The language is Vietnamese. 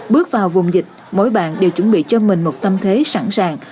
bước vào vùng dịch mỗi bạn đều chuẩn bị cho mình một tâm thế sẵn sàng